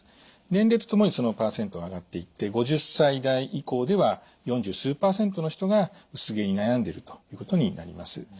年齢とともにその％は上がっていって５０歳代以降では四十数％の人が薄毛に悩んでいるということになります。